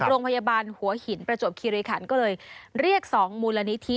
โรงพยาบาลหัวหินประจวบคิริขันก็เลยเรียก๒มูลนิธิ